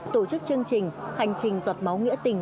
tổ chức chương trình hành trình giọt máu nghĩa tình